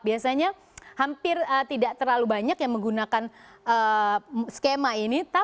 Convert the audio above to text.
biasanya hampir tidak terlalu banyak yang menggunakan skema ini